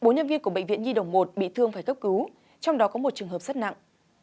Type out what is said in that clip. bốn nhân viên của bệnh viện nhi đồng một bị thương phải cấp cứu trong đó có một trường hợp rất nặng